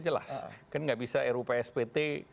jelas kan nggak bisa rupspt